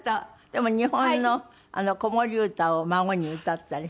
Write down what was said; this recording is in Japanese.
でも日本の子守歌を孫に歌ったり？